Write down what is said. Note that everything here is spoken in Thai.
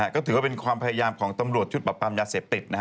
ก็ถือว่าเป็นความพยายามของตำรวจชุดปรับปรามยาเสพติด